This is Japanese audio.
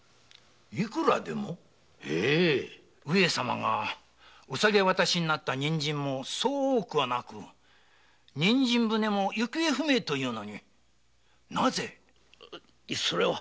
上様がお下げ渡しになった人参もそう多くはなく人参船も行方不明というのになぜ？